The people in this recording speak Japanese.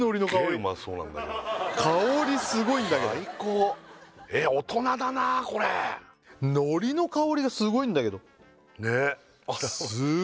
うまそうなんだけど香りすごいんだけど最高大人だなあこれのりの香りがすごいんだけどねえあっ